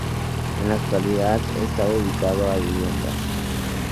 En la actualidad, está dedicado a viviendas.